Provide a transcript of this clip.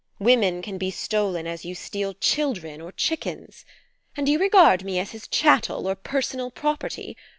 Women can be stolen as you steal children or chickens? And you regard me as his chattel or personal property.